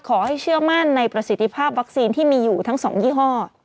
ขอให้เชื่อมั่นในประสิทธิภาพวัคซีนที่มีอยู่ทั้ง๒ยี่ห้อ